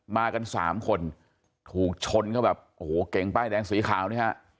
มากันสามคนถูกชนเข้าแบบโอ้โหเก่งป้ายแดงสีขาวนี่ฮะ